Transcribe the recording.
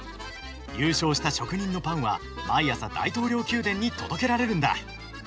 優勝した職人のパンは毎朝大統領宮殿に届けられるんだ。